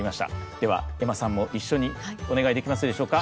ではエマさんも一緒にお願いできますでしょうか。